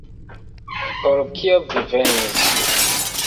Por kio vi venis?